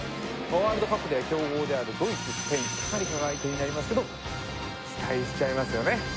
ワールドカップでは強豪であるドイツスペインコスタリカが相手になりますけど期待しちゃいますよね